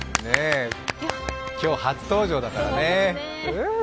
今日初登場だからね、フーゥ！